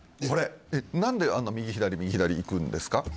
これ何であんな右左右左行くんですか？